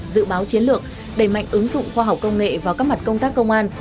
dự báo chiến lược đẩy mạnh ứng dụng khoa học công nghệ vào các mặt công tác công an